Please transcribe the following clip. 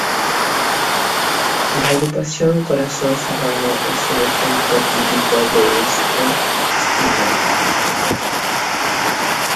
La agrupación Corazón Serrano es un ejemplo típico de esto estilo.